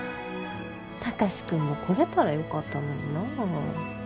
貴司君も来れたらよかったのになあ。